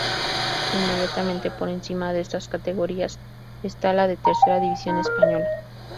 Inmediatamente por encima de estas categorías está la Tercera División española.